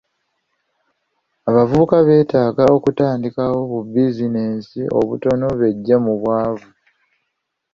Abavubuka beetaaga okutandikawo bu bizinesi obutono beggye mu bwavu.